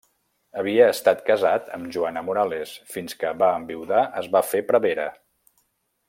Havia estat casat amb Joana Morales fins que va enviudar es va fer prevere.